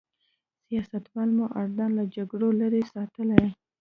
سیاستوالو مو اردن له جګړو لرې ساتلی.